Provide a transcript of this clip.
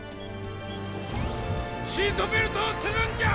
シートベルトをするんじゃ！